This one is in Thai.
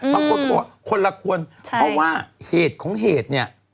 บางคนก็บอกว่าคนละคนเพราะว่าเหตุของเหตุเนี่ย